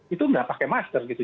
itu nggak pakai masker gitu